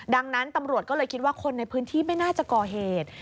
ดังนั้นตำรวจก็เลยคิดว่าคนในพื้นที่ไม่น่าจะก่อเหตุ